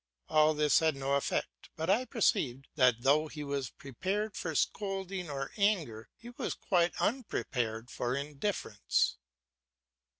All this had no effect, but I perceived that though he was prepared for scolding or anger, he was quite unprepared for indifference.